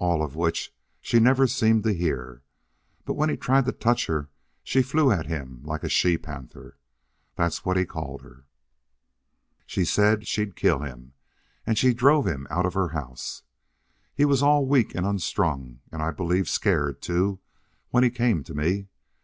All of which she never seemed to hear. But when he tried to touch her she flew at him like a she panther. That's what he called her. She said she'd kill him! And she drove him out of her house.... He was all weak and unstrung, and I believe scared, too, when he came to me.